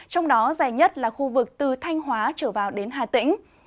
trong đó dài nhất là khu vực từ thanh hóa trở vào đến hà tĩnh